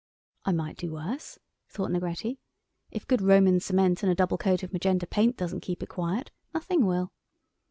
"I might do worse," thought Negretti. "If good Roman cement and a double coat of magenta paint doesn't keep it quiet nothing will."